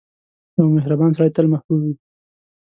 • یو مهربان سړی تل محبوب وي.